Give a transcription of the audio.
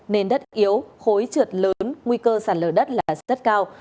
nền đất yếu khối trượt lớn nguy cơ sạt lở đất là rất cao